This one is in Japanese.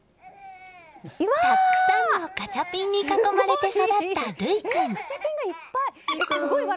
たくさんのガチャピンに囲まれて座った琉衣君。